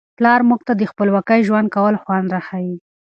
پلار موږ ته د خپلواک ژوند کولو خوند را ښيي.